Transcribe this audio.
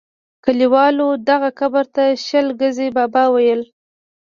کلیوالو دغه قبر ته شل ګزی بابا ویل.